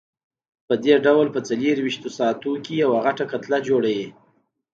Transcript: پدې ډول په څلورویشت ساعتونو کې یوه غټه کتله جوړوي.